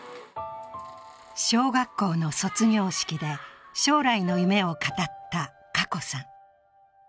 小学校の卒業式で将来の夢を語った華子さん。